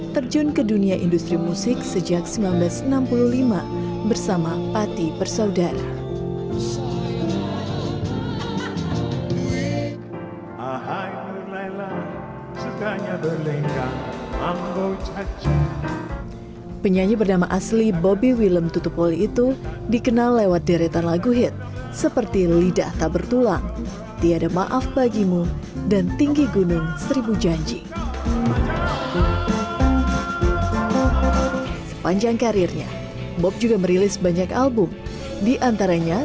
terjun ke dunia industri musik sejak seribu sembilan ratus enam puluh lima bersama pati persaudara